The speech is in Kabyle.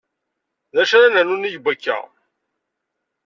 D acu ara nernu nnig wakka?